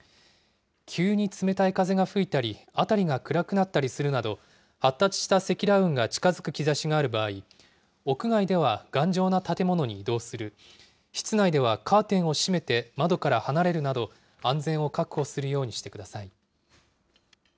急に冷たい風が吹いたり、辺りが暗くなったりするなど、発達した積乱雲が近づく兆しがある場合、屋外では頑丈な建物に移動する、室内ではカーテンを閉めて、窓から離れるなど、安全を確保するようにしてください。